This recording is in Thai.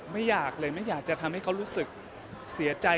ไม่อยากเลยไม่อยากจะทำให้เขารู้สึกเสียใจ